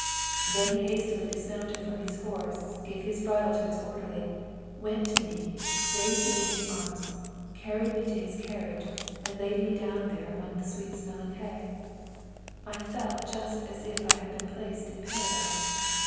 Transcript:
"Then he hastily dismounted from his horse, gave his bridle to his orderly, went up to me, raised me in his arms, carried me to his carriage, and laid me down there among sweet smelling hay. "I felt just as if I had been placed in Paradise.